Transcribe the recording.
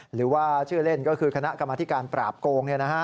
หรือว่าชื่อเล่นก็คือคณะกรรมธิการปราบโกง